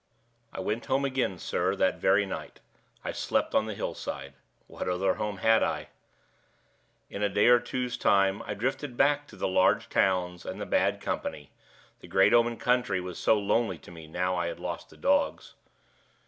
"I went home again, sir, that very night I slept on the hill side. What other home had I? In a day or two's time I drifted back to the large towns and the bad company, the great open country was so lonely to me, now I had lost the dogs!